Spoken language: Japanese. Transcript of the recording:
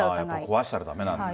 壊したらだめなんだね。